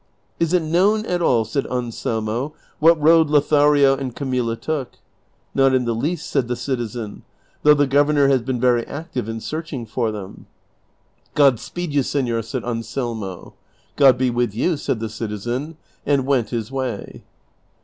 '"*' Is it known at all," said Anselmo, "what road Lothario and Camilla took?" '• Not in the least," said the citizen, " though the governor has been veiy active in searching for them." "God speed you, senor," said Anselmo. " God be with you," said the citizen, and went his way.